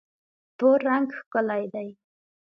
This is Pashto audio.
تور رنګ ښکلی دی.